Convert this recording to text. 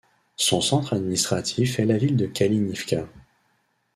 Son centre administratif est la ville de Kalynivka.